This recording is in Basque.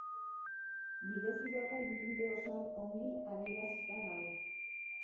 Bidezidorra ibilbide osoan ongi adierazita dago.